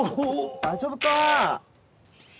大丈夫か？